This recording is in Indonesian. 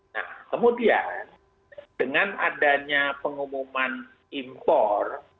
nah kemudian dengan adanya pengumuman impor